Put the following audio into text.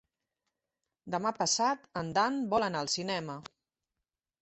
Demà passat en Dan vol anar al cinema.